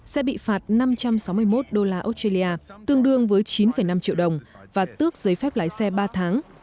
sẽ bị phạt năm trăm sáu mươi một đô la australia tương đương với chín năm triệu đồng và tước giấy phép lái xe ba tháng